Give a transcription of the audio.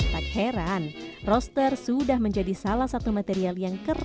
tak heran roster sudah menjadi salah satu material yang keras